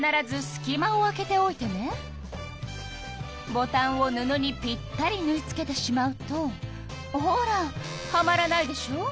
ボタンを布にぴったりぬい付けてしまうとほらはまらないでしょ。